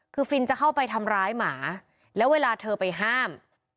คือฟินจะเข้าไปทำร้ายหมาแล้วเวลาเธอไปห้าม